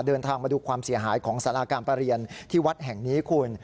เดินทางมาดูความเสียหายของสาราการประเรียนที่วัดแห่งนี้คุณ